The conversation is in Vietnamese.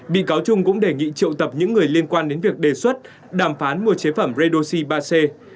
bị cáo trung cũng đề nghị triệu tập những người liên quan đến việc đề xuất đàm phán mua chế phẩm redoxi ba c